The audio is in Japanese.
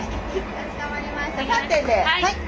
はい。